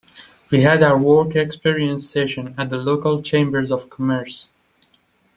We had our work experience session at the local chambers of commerce.